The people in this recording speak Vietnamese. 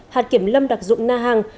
hạt kiểm lâm đặc dụng na hàng